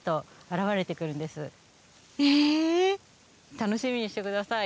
楽しみにして下さい。